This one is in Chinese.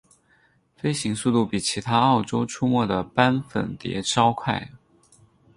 飞行速度比其他澳洲出没的斑粉蝶稍快。